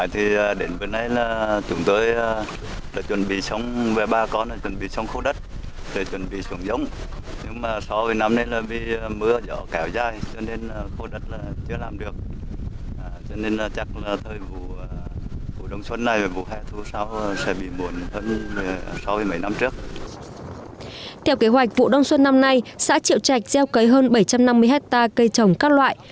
theo kế hoạch vụ đông xuân năm nay xã triệu trạch gieo cấy hơn bảy trăm năm mươi hectare cây trồng các loại